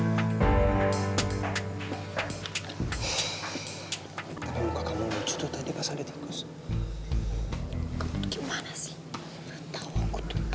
masa itu telfon dia sekarang